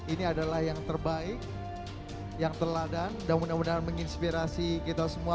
ini adalah yang terbaik yang teladan dan mudah mudahan menginspirasi kita semua